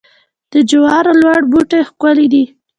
د جوارو لوړ بوټي ښکلي دي.